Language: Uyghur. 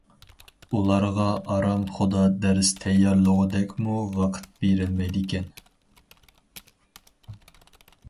ئۇلارغا ئارام خۇدا دەرس تەييارلىغۇدەكمۇ ۋاقىت بېرىلمەيدىكەن.